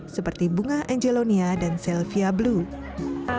seperti bunga angelonia dan selvia blue